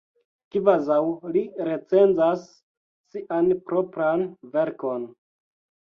Kvazaŭ li recenzas sian propran verkon!